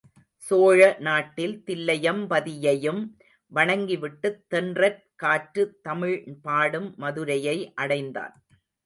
சோழ நாட்டில் தில்லையம்பதியையும் வணங்கி விட்டுத் தென்றற் காற்று தமிழ் பாடும் மதுரையை அடைந்தான்.